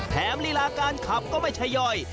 ลีลาการขับก็ไม่ใช่ย่อย